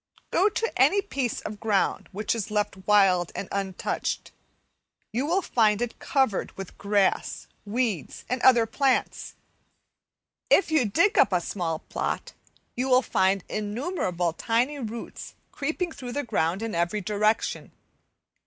Go to any piece of ground which is left wild and untouched you will find it covered with grass weeds, and other plants; if you dig up a small plot you will find innumerable tiny roots creeping through the ground in every direction.